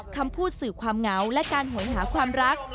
คำพูดสื่อความเหงาและการหวยหาความรัก